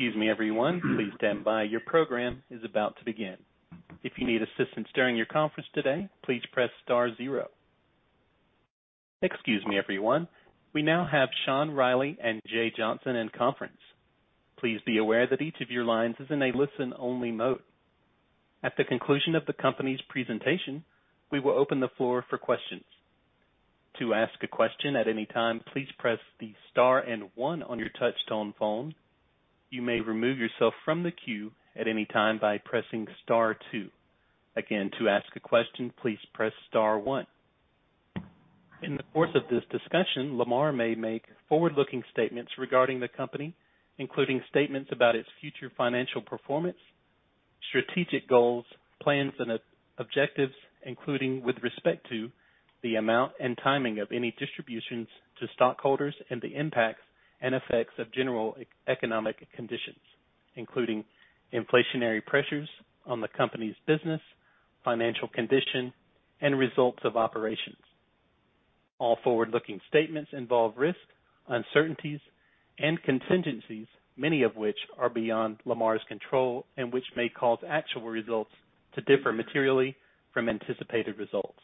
Excuse me, everyone. Please stand by. Your program is about to begin. If you need assistance during your conference today, please press star zero. Excuse me, everyone. We now have Sean Reilly and Jay Johnson in conference. Please be aware that each of your lines is in a listen-only mode. At the conclusion of the company's presentation, we will open the floor for questions. To ask a question at any time, please press the star and one on your touchtone phone. You may remove yourself from the queue at any time by pressing star two. Again, to ask a question, please press star one. In the course of this discussion, Lamar may make forward-looking statements regarding the company, including statements about its future financial performance, strategic goals, plans, and objectives, including with respect to the amount and timing of any distributions to stockholders and the impacts and effects of general economic conditions, including inflationary pressures on the company's business, financial condition, and results of operations. All forward-looking statements involve risks, uncertainties, and contingencies, many of which are beyond Lamar's control and which may cause actual results to differ materially from anticipated results.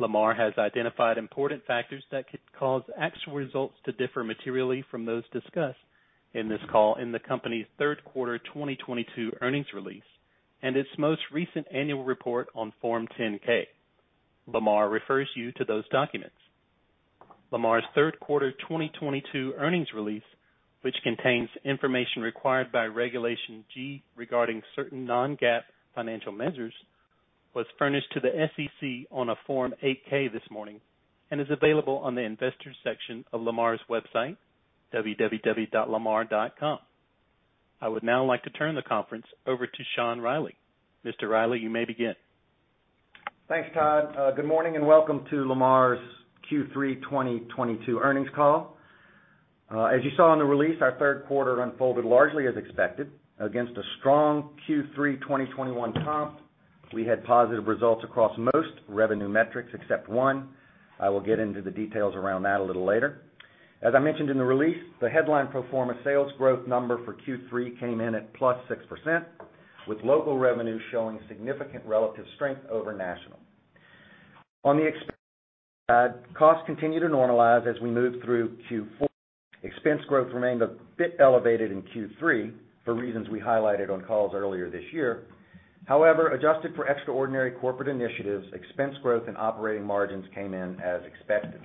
Lamar has identified important factors that could cause actual results to differ materially from those discussed in this call in the company's third quarter 2022 earnings release and its most recent annual report on Form 10-K. Lamar refers you to those documents. Lamar's third quarter 2022 earnings release, which contains information required by Regulation G regarding certain non-GAAP financial measures, was furnished to the SEC on a Form 8-K this morning and is available on the Investors section of Lamar's website, www.lamar.com. I would now like to turn the conference over to Sean Reilly. Mr. Reilly, you may begin. Thanks, Todd. Good morning and welcome to Lamar's Q3 2022 earnings call. As you saw in the release, our third quarter unfolded largely as expected against a strong Q3 2021 comp. We had positive results across most revenue metrics except one. I will get into the details around that a little later. As I mentioned in the release, the headline pro forma sales growth number for Q3 came in at +6%, with local revenue showing significant relative strength over national. On the costs continue to normalize as we move through Q4. Expense growth remained a bit elevated in Q3 for reasons we highlighted on calls earlier this year. However, adjusted for extraordinary corporate initiatives, expense growth and operating margins came in as expected.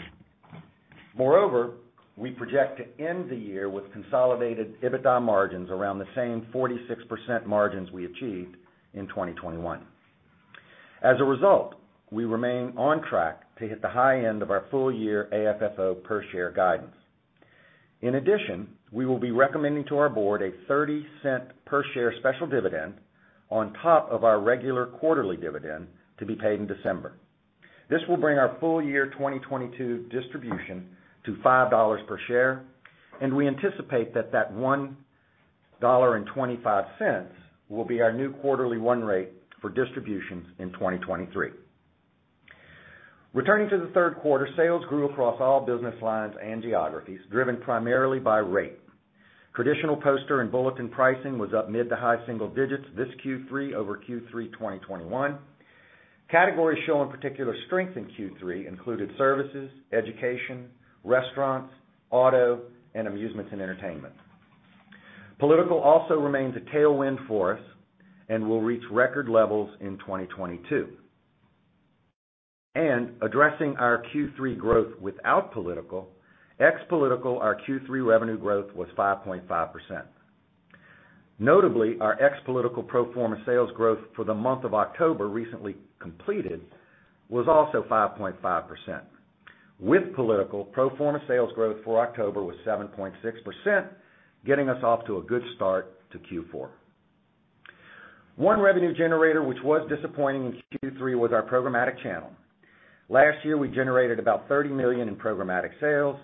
Moreover, we project to end the year with consolidated EBITDA margins around the same 46% margins we achieved in 2021. As a result, we remain on track to hit the high end of our full year AFFO per share guidance. In addition, we will be recommending to our board a $0.30 per share special dividend on top of our regular quarterly dividend to be paid in December. This will bring our full year 2022 distribution to $5 per share, and we anticipate that $1.25 will be our new quarterly run rate for distributions in 2023. Returning to the third quarter, sales grew across all business lines and geographies, driven primarily by rate. Traditional poster and bulletin pricing was up mid- to high-single digits this Q3 over Q3 2021. Categories showing particular strength in Q3 included services, education, restaurants, auto, and amusements and entertainment. Political also remains a tailwind for us and will reach record levels in 2022. Addressing our Q3 growth without political, ex-political, our Q3 revenue growth was 5.5%. Notably, our ex-political pro forma sales growth for the month of October, recently completed, was also 5.5%. With political, pro forma sales growth for October was 7.6%, getting us off to a good start to Q4. One revenue generator which was disappointing in Q3 was our programmatic channel. Last year, we generated about $30 million in programmatic sales.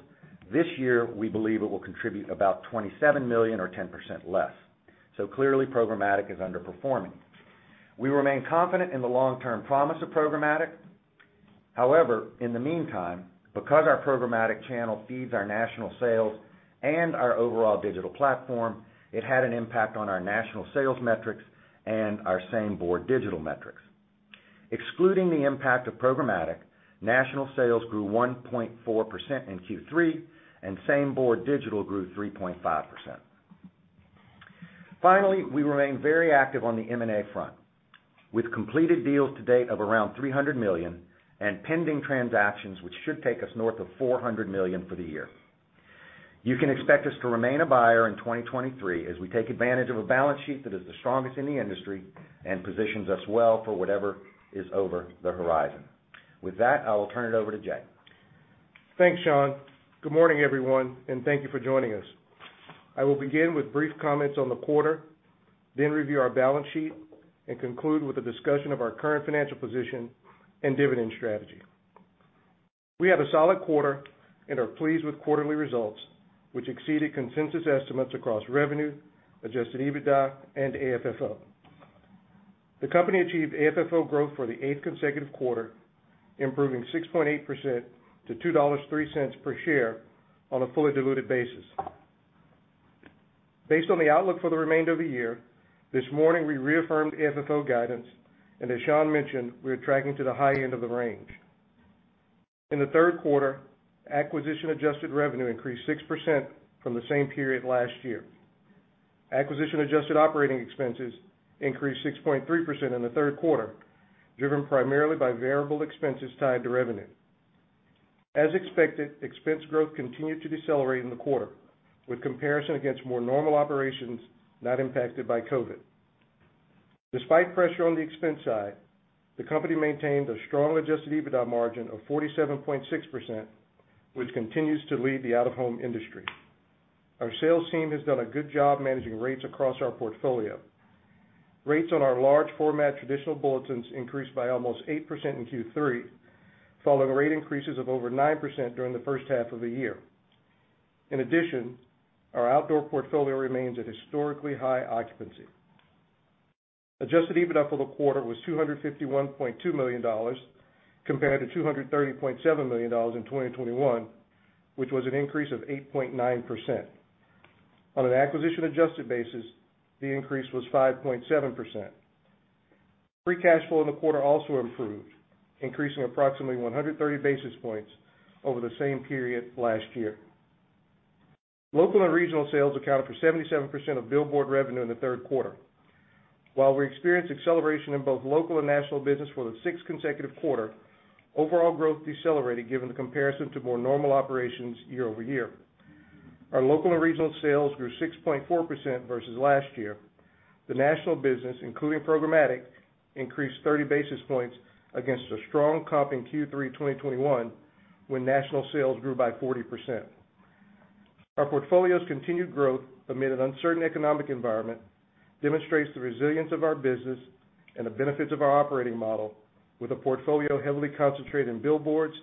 This year, we believe it will contribute about $27 million or 10% less. Clearly, programmatic is underperforming. We remain confident in the long-term promise of programmatic. However, in the meantime, because our programmatic channel feeds our national sales and our overall digital platform, it had an impact on our national sales metrics and our same-board digital metrics. Excluding the impact of programmatic, national sales grew 1.4% in Q3, and same-board digital grew 3.5%. Finally, we remain very active on the M&A front, with completed deals to date of around $300 million and pending transactions, which should take us north of $400 million for the year. You can expect us to remain a buyer in 2023 as we take advantage of a balance sheet that is the strongest in the industry and positions us well for whatever is over the horizon. With that, I will turn it over to Jay. Thanks, Sean. Good morning, everyone, and thank you for joining us. I will begin with brief comments on the quarter, then review our balance sheet and conclude with a discussion of our current financial position and dividend strategy. We had a solid quarter and are pleased with quarterly results, which exceeded consensus estimates across revenue, adjusted EBITDA, and AFFO. The company achieved AFFO growth for the eighth consecutive quarter, improving 6.8% to $2.03 per share on a fully diluted basis. Based on the outlook for the remainder of the year, this morning, we reaffirmed AFFO guidance, and as Sean mentioned, we are tracking to the high end of the range. In the third quarter, acquisition adjusted revenue increased 6% from the same period last year. Acquisition adjusted operating expenses increased 6.3% in the third quarter, driven primarily by variable expenses tied to revenue. As expected, expense growth continued to decelerate in the quarter, with comparison against more normal operations not impacted by COVID. Despite pressure on the expense side, the company maintained a strong adjusted EBITDA margin of 47.6%, which continues to lead the out-of-home industry. Our sales team has done a good job managing rates across our portfolio. Rates on our large format traditional bulletins increased by almost 8% in Q3, following rate increases of over 9% during the first half of the year. In addition, our outdoor portfolio remains at historically high occupancy. Adjusted EBITDA for the quarter was $251.2 million, compared to $230.7 million in 2021, which was an increase of 8.9%. On an acquisition-adjusted basis, the increase was 5.7%. Free cash flow in the quarter also improved, increasing approximately 130 basis points over the same period last year. Local and regional sales accounted for 77% of billboard revenue in the third quarter. While we experienced acceleration in both local and national business for the sixth consecutive quarter, overall growth decelerated given the comparison to more normal operations year over year. Our local and regional sales grew 6.4% versus last year. The national business, including programmatic, increased 30 basis points against a strong comp in Q3 2021, when national sales grew by 40%. Our portfolio's continued growth amid an uncertain economic environment demonstrates the resilience of our business and the benefits of our operating model with a portfolio heavily concentrated in billboards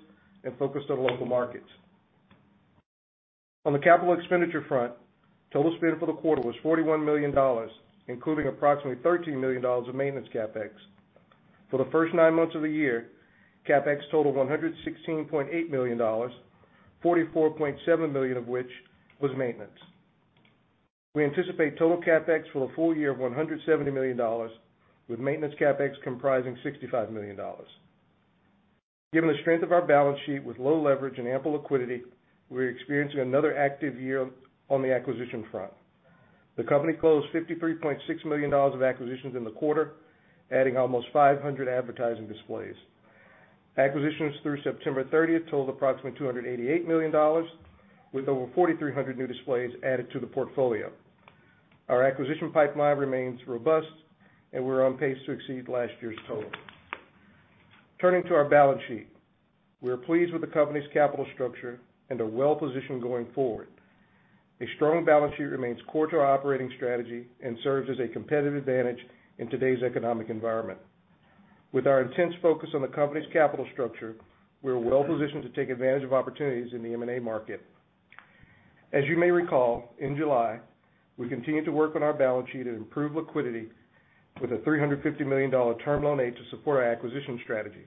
and focused on local markets. On the capital expenditure front, total spend for the quarter was $41 million, including approximately $13 million of maintenance CapEx. For the first nine months of the year, CapEx totaled $116.8 million, $44.7 million of which was maintenance. We anticipate total CapEx for the full year of $170 million, with maintenance CapEx comprising $65 million. Given the strength of our balance sheet with low leverage and ample liquidity, we're experiencing another active year on the acquisition front. The company closed $53.6 million of acquisitions in the quarter, adding almost 500 advertising displays. Acquisitions through September 30th totaled approximately $288 million, with over 4,300 new displays added to the portfolio. Our acquisition pipeline remains robust, and we're on pace to exceed last year's total. Turning to our balance sheet. We are pleased with the company's capital structure and are well-positioned going forward. A strong balance sheet remains core to our operating strategy and serves as a competitive advantage in today's economic environment. With our intense focus on the company's capital structure, we are well-positioned to take advantage of opportunities in the M&A market. As you may recall, in July, we continued to work on our balance sheet and improve liquidity with a $350 million Term Loan A to support our acquisition strategy.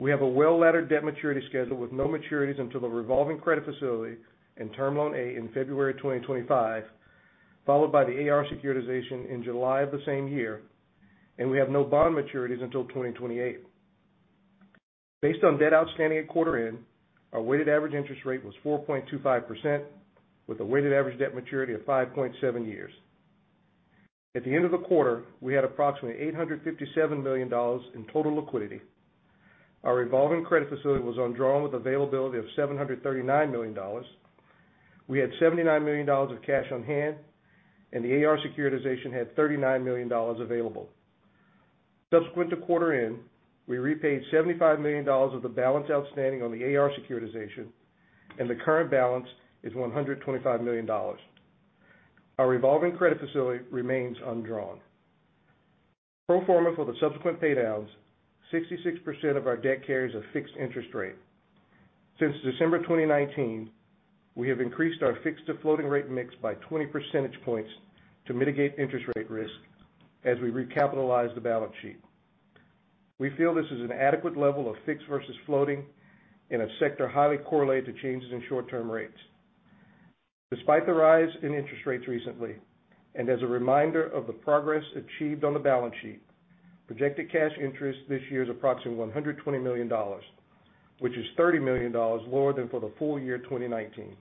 We have a well-laddered debt maturity schedule with no maturities until the revolving credit facility and Term Loan A in February 2025, followed by the AR securitization in July of the same year, and we have no bond maturities until 2028. Based on debt outstanding at quarter end, our weighted average interest rate was 4.25%, with a weighted average debt maturity of 5.7 years. At the end of the quarter, we had approximately $857 million in total liquidity. Our revolving credit facility was undrawn with availability of $739 million. We had $79 million of cash on hand, and the AR securitization had $39 million available. Subsequent to quarter-end, we repaid $75 million of the balance outstanding on the AR securitization, and the current balance is $125 million. Our revolving credit facility remains undrawn. Pro forma for the subsequent paydowns, 66% of our debt carries a fixed interest rate. Since December 2019, we have increased our fixed to floating rate mix by 20 percentage points to mitigate interest rate risk as we recapitalize the balance sheet. We feel this is an adequate level of fixed versus floating in a sector highly correlated to changes in short-term rates. Despite the rise in interest rates recently, and as a reminder of the progress achieved on the balance sheet, projected cash interest this year is approximately $120 million, which is $30 million lower than for the full year 2019.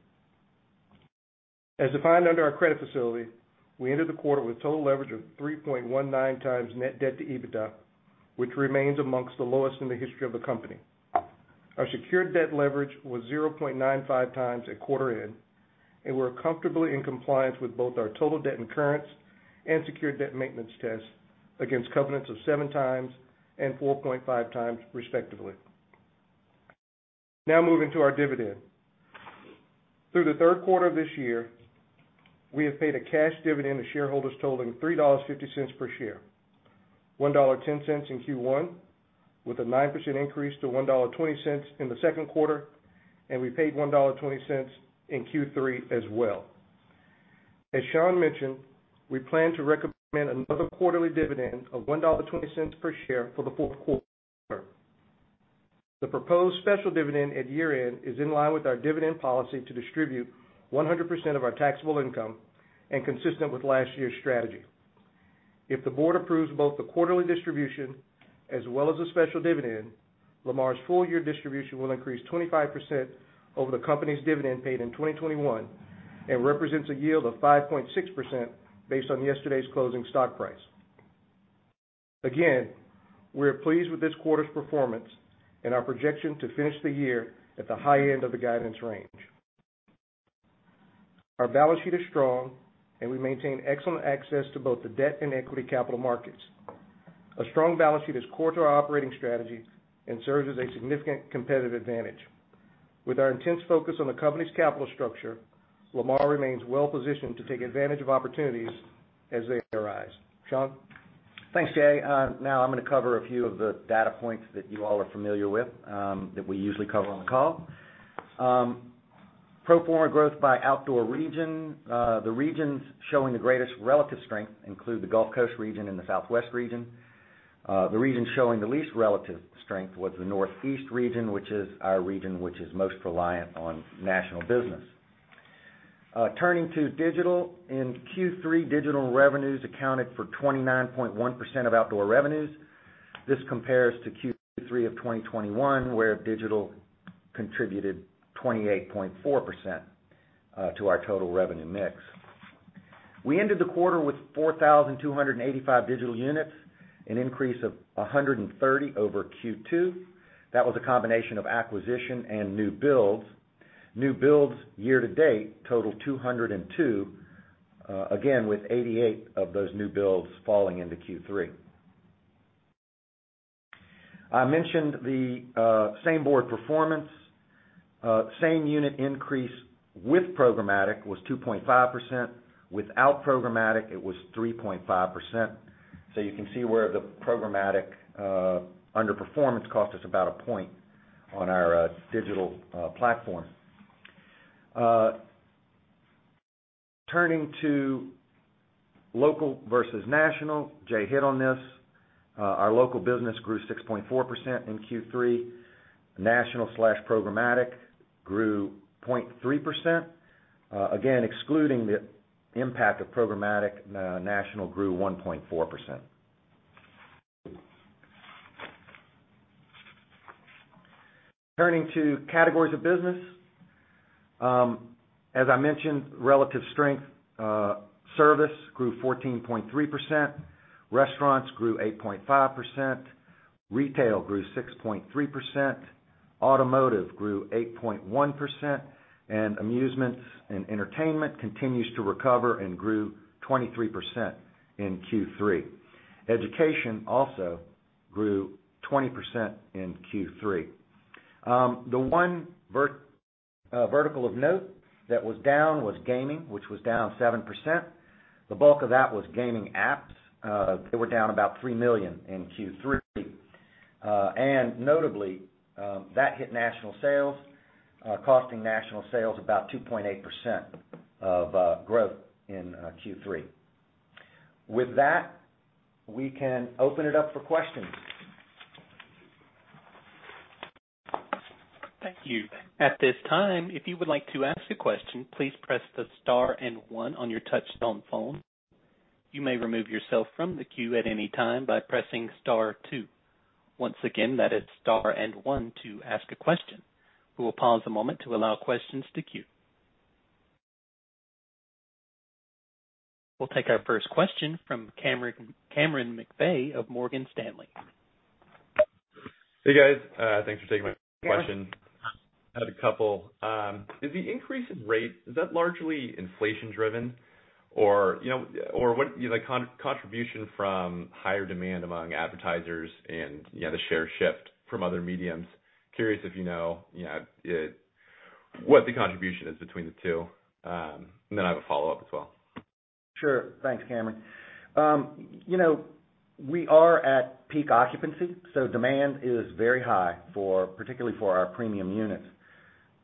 As defined under our credit facility, we ended the quarter with total leverage of 3.19x net debt-to-EBITDA, which remains among the lowest in the history of the company. Our secured debt leverage was 0.95x at quarter end, and we're comfortably in compliance with both our total debt incurrence and secured debt maintenance tests against covenants of 7x and 4.5x, respectively. Now moving to our dividend. Through the third quarter of this year, we have paid a cash dividend to shareholders totaling $3.50 per share, $1.10 in Q1. With a 9% increase to $1.20 in the second quarter, and we paid $1.20 in Q3 as well. As Sean mentioned, we plan to recommend another quarterly dividend of $1.20 per share for the fourth quarter. The proposed special dividend at year-end is in line with our dividend policy to distribute 100% of our taxable income and consistent with last year's strategy. If the board approves both the quarterly distribution as well as the special dividend, Lamar's full-year distribution will increase 25% over the company's dividend paid in 2021 and represents a yield of 5.6% based on yesterday's closing stock price. Again, we are pleased with this quarter's performance and our projection to finish the year at the high end of the guidance range. Our balance sheet is strong, and we maintain excellent access to both the debt and equity capital markets. A strong balance sheet is core to our operating strategy and serves as a significant competitive advantage. With our intense focus on the company's capital structure, Lamar remains well-positioned to take advantage of opportunities as they arise. Sean? Thanks, Jay. Now I'm gonna cover a few of the data points that you all are familiar with, that we usually cover on the call. Pro forma growth by outdoor region. The regions showing the greatest relative strength include the Gulf Coast region and the Southwest region. The region showing the least relative strength was the Northeast region, which is our region which is most reliant on national business. Turning to digital. In Q3, digital revenues accounted for 29.1% of outdoor revenues. This compares to Q3 of 2021, where digital contributed 28.4% to our total revenue mix. We ended the quarter with 4,285 digital units, an increase of 130 over Q2. That was a combination of acquisition and new builds. New builds year to date totaled 202, again, with 88 of those new builds falling into Q3. I mentioned the sameboard performance. Same unit increase with programmatic was 2.5%. Without programmatic, it was 3.5%. You can see where the programmatic underperformance cost us about a point on our digital platform. Turning to local versus national. Jay hit on this. Our local business grew 6.4% in Q3. National slash programmatic grew 0.3%. Again, excluding the impact of programmatic, national grew 1.4%. Turning to categories of business. As I mentioned, relative strength, service grew 14.3%, restaurants grew 8.5%, retail grew 6.3%, automotive grew 8.1%, and amusements and entertainment continues to recover and grew 23% in Q3. Education also grew 20% in Q3. Vertical of note that was down was gaming, which was down 7%. The bulk of that was gaming apps. They were down about $3 million in Q3. And notably, that hit national sales, costing national sales about 2.8% of growth in Q3. With that, we can open it up for questions. Thank you. At this time, if you would like to ask a question, please press the star and one on your touchtone phone. You may remove yourself from the queue at any time by pressing star two. Once again, that is star and one to ask a question. We will pause a moment to allow questions to queue. We'll take our first question from Cameron McVeigh of Morgan Stanley. Hey, guys. Thanks for taking my question. I had a couple. Is the increase in rate, is that largely inflation driven or, you know, or what, you know, contribution from higher demand among advertisers and, you know, the share shift from other mediums? Curious if you know what the contribution is between the two? I have a follow-up as well. Sure. Thanks, Cameron. You know, we are at peak occupancy, so demand is very high for, particularly for our premium units.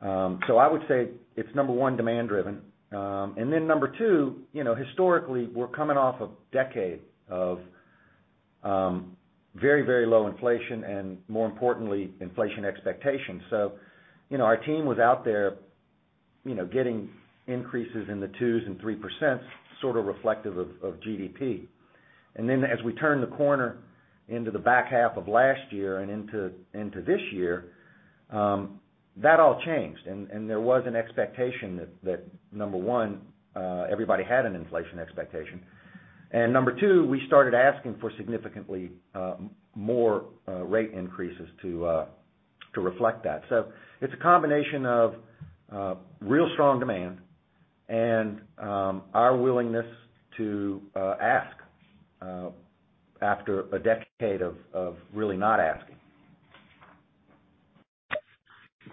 So I would say it's number one, demand driven. And then number two, you know, historically, we're coming off a decade of very, very low inflation and more importantly, inflation expectations. You know, our team was out there, you know, getting increases in the 2% and 3%, sort of reflective of GDP. Then as we turned the corner into the back half of last year and into this year, that all changed. There was an expectation that number one, everybody had an inflation expectation. And number two, we started asking for significantly more rate increases to reflect that. It's a combination of real strong demand and our willingness to ask after a decade of really not asking.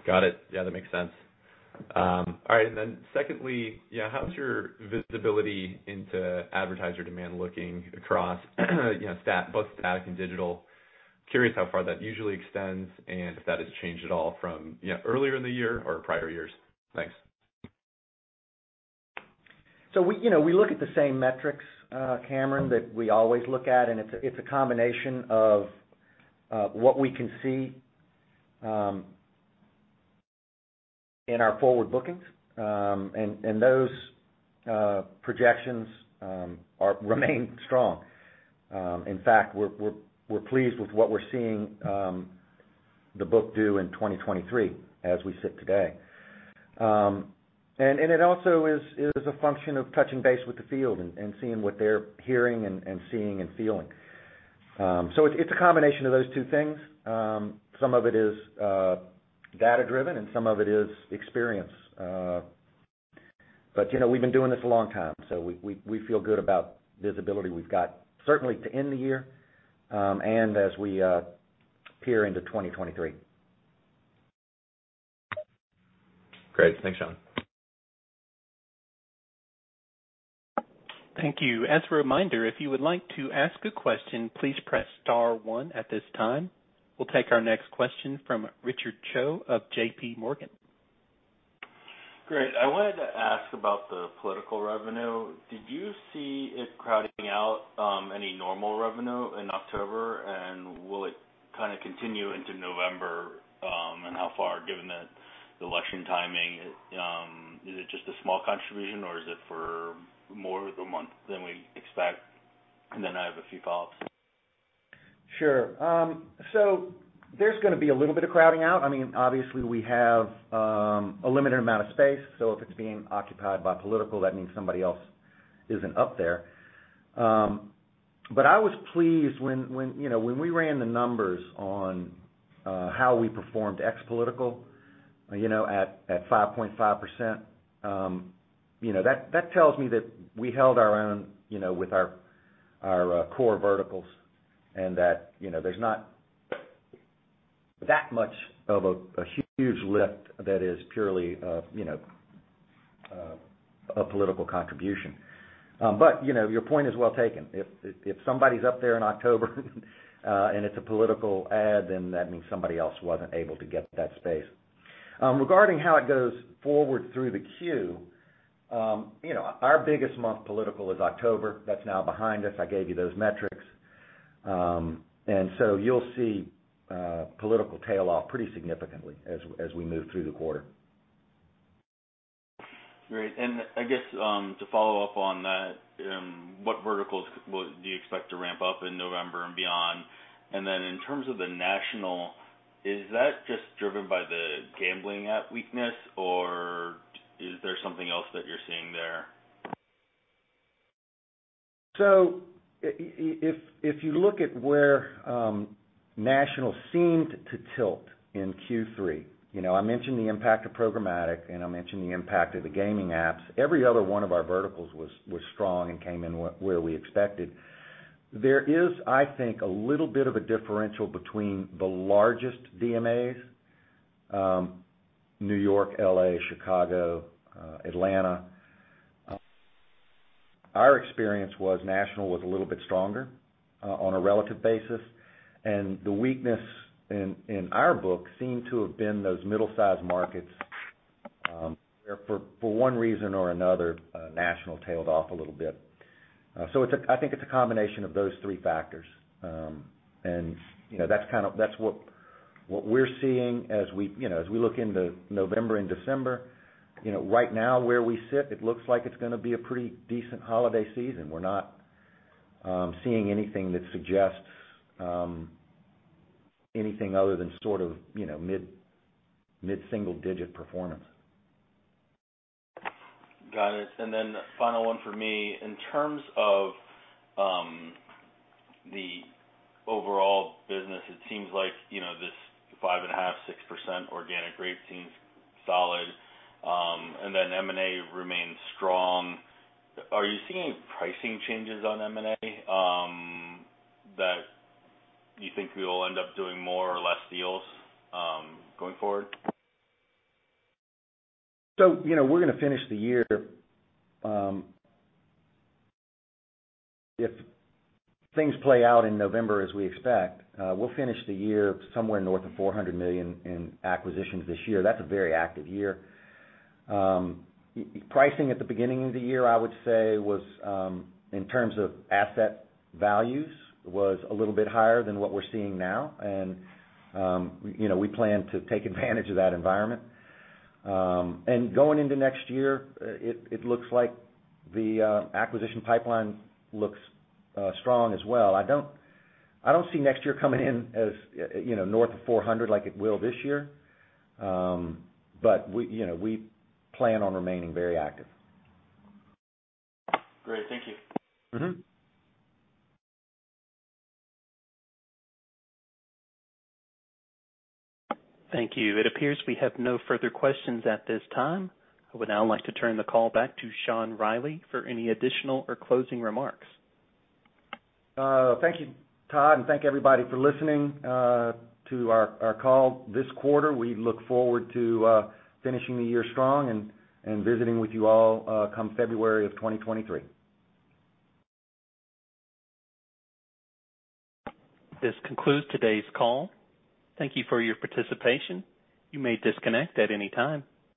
Got it. Yeah, that makes sense. All right. Secondly, yeah, how's your visibility into advertiser demand looking across, you know, both stat and digital? Curious how far that usually extends and if that has changed at all from, you know, earlier in the year or prior years? Thanks. We, you know, we look at the same metrics, Cameron, that we always look at, and it's a combination of what we can see in our forward bookings. Those projections remain strong. In fact, we're pleased with what we're seeing, the bookings do in 2023 as we sit today. It also is a function of touching base with the field and seeing what they're hearing and seeing and feeling. It's a combination of those two things. Some of it is data driven and some of it is experience. You know, we've been doing this a long time, so we feel good about visibility we've got certainly to end the year, and as we peer into 2023. Great. Thanks, Sean. Thank you. As a reminder, if you would like to ask a question, please press star one at this time. We'll take our next question from Richard Choe of JPMorgan. Great. I wanted to ask about the political revenue. Did you see it crowding out, any normal revenue in October, and will it kinda continue into November? How far, given the election timing, is it just a small contribution or is it for more of a month than we expect? I have a few follow-ups. Sure. There's gonna be a little bit of crowding out. I mean, obviously we have a limited amount of space, so if it's being occupied by political, that means somebody else isn't up there. I was pleased, you know, when we ran the numbers on how we performed ex-political, you know, at 5.5%, you know, that tells me that we held our own, you know, with our core verticals and that, you know, there's not that much of a huge lift that is purely, you know, a political contribution. You know, your point is well taken. If somebody's up there in October and it's a political ad, then that means somebody else wasn't able to get that space. Regarding how it goes forward through the queue, you know, our biggest political month is October. That's now behind us. I gave you those metrics. You'll see political tail off pretty significantly as we move through the quarter. Great. I guess to follow up on that, what verticals do you expect to ramp up in November and beyond? Then in terms of the national, is that just driven by the gambling app weakness or is there something else that you're seeing there? If you look at where national seemed to tilt in Q3, you know, I mentioned the impact of programmatic and I mentioned the impact of the gaming apps. Every other one of our verticals was strong and came in where we expected. There is, I think, a little bit of a differential between the largest DMAs, New York, L.A., Chicago, Atlanta. Our experience was national was a little bit stronger on a relative basis. The weakness in our books seemed to have been those middle-sized markets, where for one reason or another, national tailed off a little bit. I think it's a combination of those three factors. You know, that's what we're seeing as we look into November and December. You know, right now where we sit, it looks like it's gonna be a pretty decent holiday season. We're not seeing anything that suggests anything other than sort of, you know, mid single digit performance. Got it. Final one for me. In terms of the overall business, it seems like, you know, this 5.5%-6% organic rate seems solid, and then M&A remains strong. Are you seeing pricing changes on M&A that you think we will end up doing more or less deals going forward? So, you know, we're gonna finish the year. If things play out in November as we expect, we'll finish the year somewhere north of $400 million in acquisitions this year. That's a very active year. Pricing at the beginning of the year, I would say, was in terms of asset values a little bit higher than what we're seeing now. you know, we plan to take advantage of that environment. Going into next year, it looks like the acquisition pipeline looks strong as well. I don't see next year coming in as, you know, north of $400 million like it will this year. we, you know, we plan on remaining very active. Great. Thank you. Mm-hmm. Thank you. It appears we have no further questions at this time. I would now like to turn the call back to Sean Reilly for any additional or closing remarks. Thank you, Todd, and thank everybody for listening to our call this quarter. We look forward to finishing the year strong and visiting with you all come February of 2023. This concludes today's call. Thank you for your participation. You may disconnect at any time.